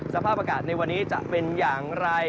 สภาพอากาศในวันนี้จะเป็นอย่างไร